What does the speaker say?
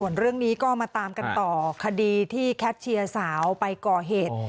ส่วนเรื่องนี้ก็มาตามกันต่อคดีที่แคทเชียร์สาวไปก่อเหตุ